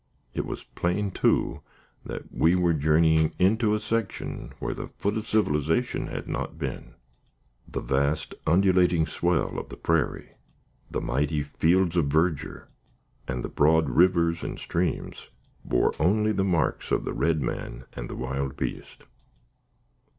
It was plain, too, that we were journeying into a section where the foot of civilization had not been. The vast, undulating swell of the prairie, the mighty fields of verdure, and the broad rivers and streams, bore only the marks of the red man and wild beast.